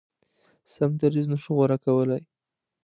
سم دریځ نه شو غوره کولای.